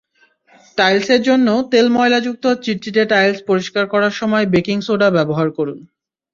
টাইলসের জন্যতেল, ময়লাযুক্ত চিটচিটে টাইলস পরিষ্কার করার সময় বেকিং সোডা ব্যবহার করুন।